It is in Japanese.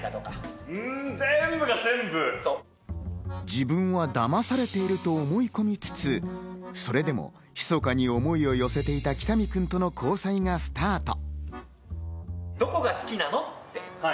自分はだまされていると思い込みつつ、それでも、ひそかに思いを寄せていた北見君との交際がスタート。